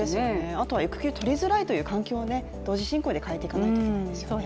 あとは育休取りづらいという環境を同時進行で変えていかなきゃいけないですよね